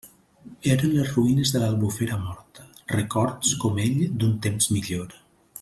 Eren les ruïnes de l'Albufera morta; records, com ell, d'un temps millor.